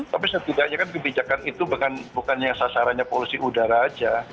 tapi setidaknya kan kebijakan itu bukan yang sasarannya polusi udara saja